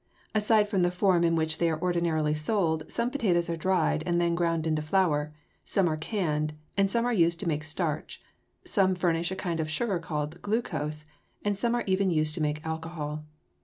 Aside from the form in which they are ordinarily sold, some potatoes are dried and then ground into flour, some are canned, some are used to make starch, some furnish a kind of sugar called glucose, and some are even used to make alcohol.